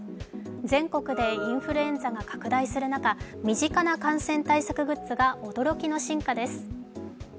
全国でインフルエンザが拡大する中身近な感染対策グッズが驚きの進化です。